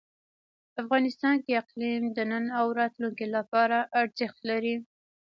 افغانستان کې اقلیم د نن او راتلونکي لپاره ارزښت لري.